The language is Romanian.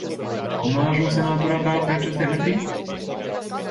Cum a ajuns semnatura ta pe aceste hartii?